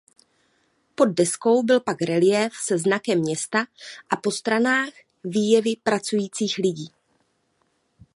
Pod deskou byl pak reliéf se znakem města a po stranách výjevy pracujících lidí.